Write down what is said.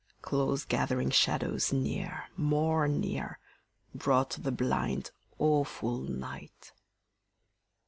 Close gathering shadows near, more near, Brought the blind, awful night.